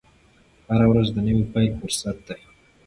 هره ورځ د نوي پیل فرصت دی.